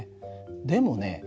でもね